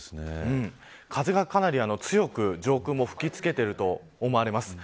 風がかなり強く上空も吹き付けていると思われます。